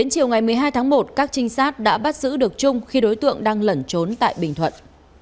chiều ngày một mươi hai tháng một các trinh sát đã bắt giữ được trung khi đối tượng đang lẩn trốn tại bình thuận